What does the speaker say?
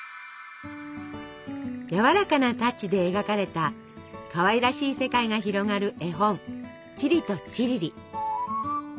やわらかなタッチで描かれたかわいらしい世界が広がる絵本「チリとチリリ」。